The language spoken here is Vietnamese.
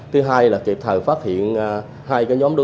thứ hai là kịp thời phát hiện hai cái nhóm đô thị